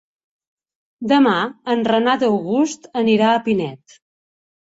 Demà en Renat August anirà a Pinet.